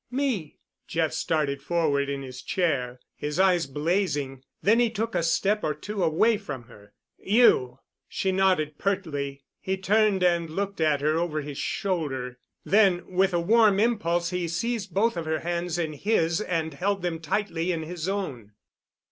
"Me." Jeff started forward in his chair, his eyes blazing—then he took a step or two away from her. "You?" She nodded pertly. He turned and looked at her over his shoulder. Then, with a warm impulse, he seized both of her hands in his and held them tightly in his own.